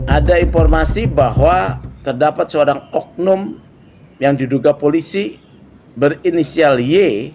ada informasi bahwa terdapat seorang oknum yang diduga polisi berinisial y